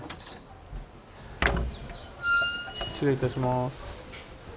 失礼いたします。